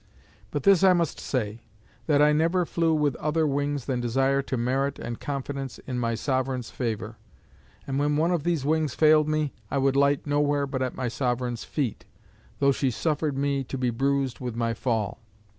But this I must say, that I never flew with other wings than desire to merit and confidence in my Sovereign's favour; and when one of these wings failed me I would light nowhere but at my Sovereign's feet, though she suffered me to be bruised with my fall.